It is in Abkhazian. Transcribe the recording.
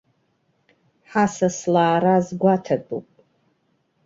Ҳасас лаара азгәаҭатәуп.